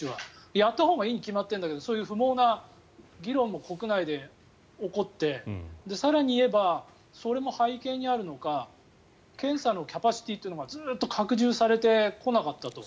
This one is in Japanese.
やったほうがいいに決まってるんだけどそういう不毛な議論も国内で起こって更に言えばそれも背景にあるのか検査のキャパシティーというのがずっと拡充されてこなかったと。